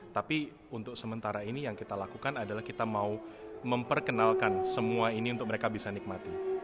tapi untuk sementara ini yang kita lakukan adalah kita mau memperkenalkan semua ini untuk mereka bisa nikmati